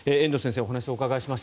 お話をお伺いしました。